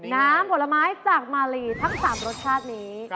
น้ำผลไม้จากมาลีทั้ง๓รสชาตินี้